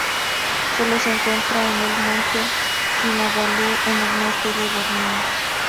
Sólo se encuentra en el Monte Kinabalu, en el norte de Borneo.